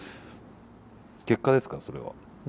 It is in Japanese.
結果ですからそれは。